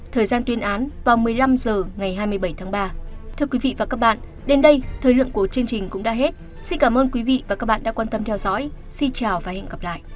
thời gian tuyên án vào một mươi năm h ngày hai mươi bảy tháng ba